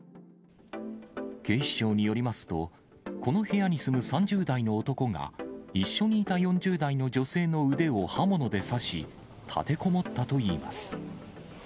警視庁によりますと、この部屋に住む３０代の男が、一緒にいた４０代の女性の腕を刃物で刺し、立てこもったといいます。